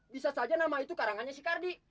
bisa saja nama itu karangannya si kardi